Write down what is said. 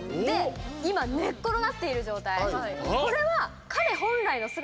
今、寝っ転がっている状態。